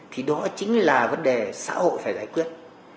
thì đó chính là vấn đề xã hội phải giải quyết